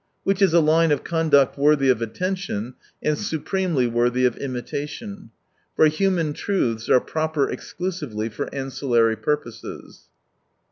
Which is a line of conduct worthy of attention, and supremely worthy of imitation ; for human truths are proper exclusively for ancillary purposes